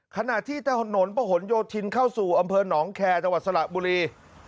ขณะที่ถนนประหลโยธินเข้าสู่อำเภอหนองแคร์จังหวัดสระบุรี